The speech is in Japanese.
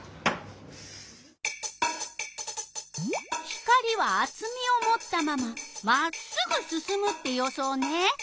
光はあつみをもったまままっすぐすすむって予想ね。